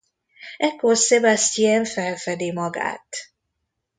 Ekkor Sébastien felfedi magát.